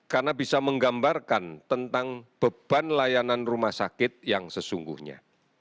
karena bisa menggambarkan tentang beban layanan rumah sakit yang sesungguhnya